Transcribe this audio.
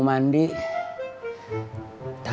aku ada di rumah